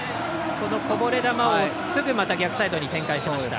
こぼれ球をすぐ逆サイドに展開しました。